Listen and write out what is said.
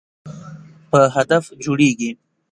په هدف جوړیږي.